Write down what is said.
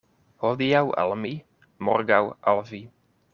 Hodiaŭ al mi, morgaŭ al vi.